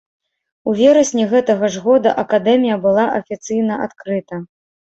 У верасні гэтага ж года акадэмія была афіцыйна адкрыта.